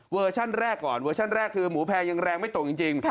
ชั่นแรกก่อนเวอร์ชั่นแรกคือหมูแพรยังแรงไม่ตกจริง